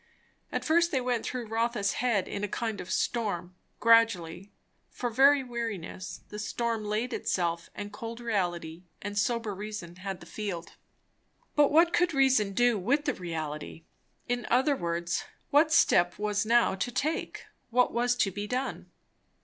At first they went through Rotha's head in a kind of storm; gradually, for very weariness, the storm laid itself, and cold reality and sober reason had the field. But what could reason do with the reality? In other words, what step was now to take? What was to be done?